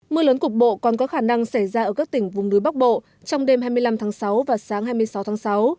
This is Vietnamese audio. mưa lớn cục bộ còn có khả năng xảy ra ở các tỉnh vùng núi bắc bộ trong đêm hai mươi năm tháng sáu và sáng hai mươi sáu tháng sáu